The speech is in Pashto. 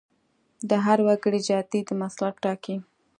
د هر وګړي جاتي د مسلک ټاکي.